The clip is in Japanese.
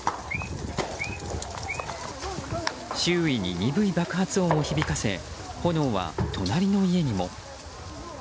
周囲に鈍い爆発音を響かせ炎は隣の家にも。